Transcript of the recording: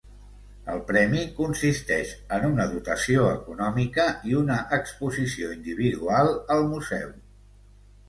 El premi consisteix en una dotació econòmica i una exposició individual al museu.